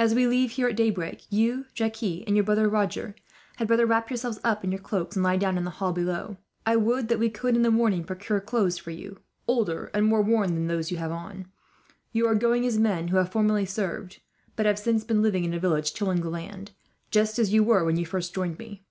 "As we leave here at daybreak, you, Jacques, and your brother Roger had better wrap yourselves up in your cloaks, and lie down in the hall below. I would that we could, in the morning, procure clothes for you, older and more worn than those you have on. You are going as men who have formerly served; but have since been living in a village, tilling the land, just as you were when you first joined me."